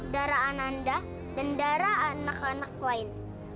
darah ananda dan darah anak anak lain